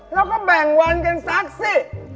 แล้วก็แบ่งวันกันสักสิ